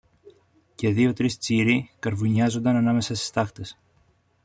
και δυο τρεις τσίροι καρβουνιάζουνταν ανάμεσα στις στάχτες.